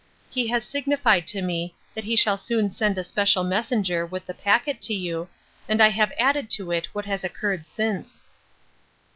He has signified to me, that he shall soon send a special messenger with the packet to you, and I have added to it what has occurred since.